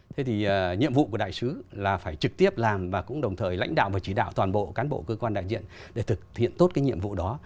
thế thì nhiệm vụ của đại sứ là phải trực tiếp làm và cũng đồng thời lãnh đạo và chỉ đạo toàn bộ cán bộ cơ quan đại diện để thực hiện tốt cái nhiệm vụ đó